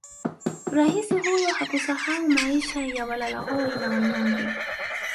Raisi huyo hakusahau maisha ya walalahoi na wanyonge